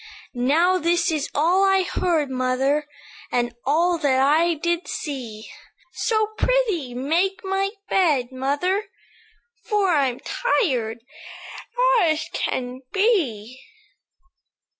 "Now this is all I heard, mother, And all that I did see; So, pr'ythee, make my bed, mother, For I'm tired as I can be."